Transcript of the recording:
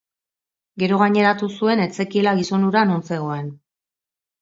Gero gaineratu zuen ez zekiela gizon hura non zegoen.